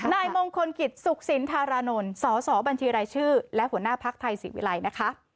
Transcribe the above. นายมงคลกิจสุขสินธารณนสอสอบัญชีรายชื่อและหัวหน้าภาคไทยศิวิไลน์นะคะ